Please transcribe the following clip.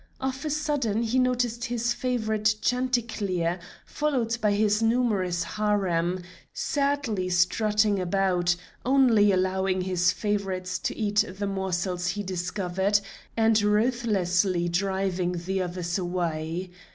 Of a sudden he noticed his favorite chanticleer, followed by his numerous harem, sadly strutting about, only allowing his favorites to eat the morsels he discovered, and ruthlessly driving the others away.